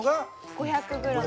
５００ｇ。